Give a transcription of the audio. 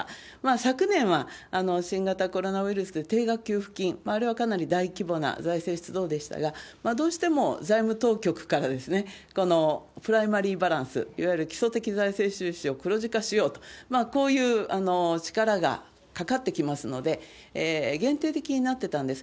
昨年は、新型コロナウイルスで定額給付金、あれはかなり大規模な財政出動でしたが、どうしても財務当局から、このプライマリーバランス、いわゆる基礎的財政収支を黒字化しようと、こういう力がかかってきますので、限定的になってたんです。